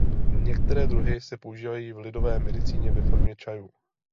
Některé druhy se používají v lidové medicíně ve formě čajů.